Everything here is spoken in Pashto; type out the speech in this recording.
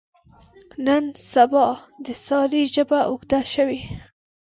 نن سبا د سارې ژبه اوږده شوې.